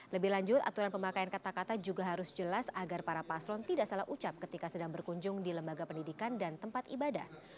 lebih lanjut aturan pemakaian kata kata juga harus jelas agar para paslon tidak salah ucap ketika sedang berkunjung di lembaga pendidikan dan tempat ibadah